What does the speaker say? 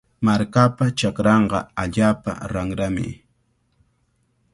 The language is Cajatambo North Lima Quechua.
Markapa chakranqa allaapa ranrami.